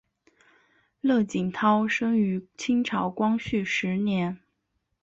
乐景涛生于清朝光绪十年。